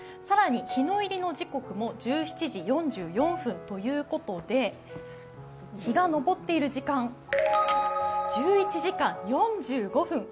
更に日の入りの時刻も１７時４４分ということで、日が上っている時間、１１時間４５分。